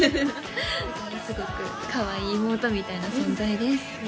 ものすごくかわいい妹みたいな存在です